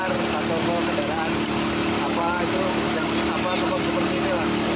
kapal kapal kendaraan apa itu apa apa seperti ini lah